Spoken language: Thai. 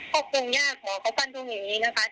ควบคุมยากเหมาะเขาปั้นตรงยังไงนะครับ